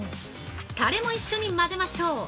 タレも一緒に混ぜましょう。